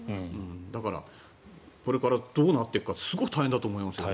だからこれからどうなっていくかすごく大変だと思いますよ。